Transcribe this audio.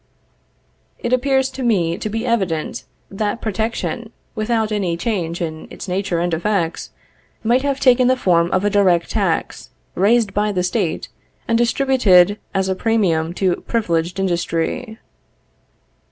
It appears to me to be evident that protection, without any change in its nature and effects, might have taken the form of a direct tax, raised by the State, and distributed as a premium to privileged industry.